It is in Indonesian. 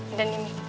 udah nih mi